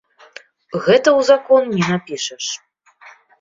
Гэта ў закон не напішаш.